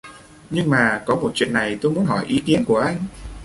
Nhưng mà có một chuyện này tôi muốn hỏi ý kiến của anh